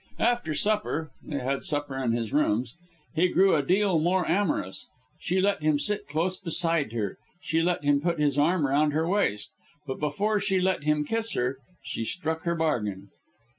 After supper they had supper in his rooms he grew a great deal more amorous. She let him sit close beside her, she let him put his arm round her waist; but before she let him kiss her, she struck her bargain.